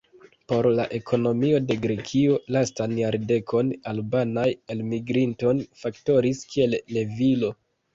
Por la ekonomio de Grekio, lastan jardekon, albanaj elmigrintoj faktoris kiel levilo.